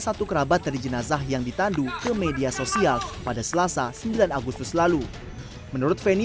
satu kerabat dari jenazah yang ditandu ke media sosial pada selasa sembilan agustus lalu menurut feni